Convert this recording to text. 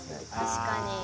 確かに。